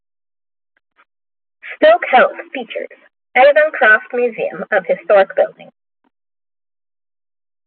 Stoke Heath features Avoncroft Museum of Historic Buildings.